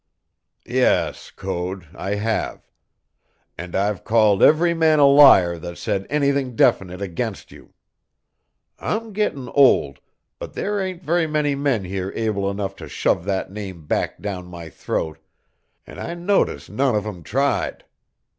"Yes, Code, I have; and I've called every man a liar that said anything definite against you. I'm gettin' old, but there ain't very many men here able enough to shove that name back down my throat, an' I notice none of 'em tried.